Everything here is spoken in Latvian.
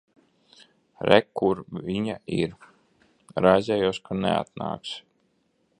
Re, kur viņa ir. Raizējos, ka neatnāksi.